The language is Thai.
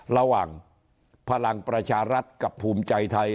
ระหว่างพลังประชารัฐกับภูมิใจไทย